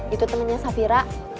itu temennya safira